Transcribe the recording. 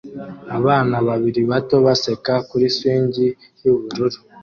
Abana babiri bato baseka kuri swing y'ubururu